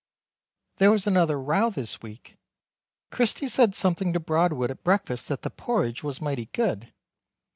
There was another row this week; Christy said something to Broadwood at breakfast that the poridge was mighty good.